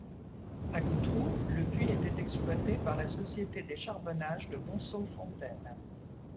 À Goutroux, le puits était exploité par la Société des Charbonnages de Monceau-Fontaine.